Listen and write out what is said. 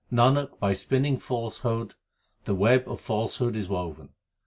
Nanak, by spinning falsehood the web of falsehood is woven.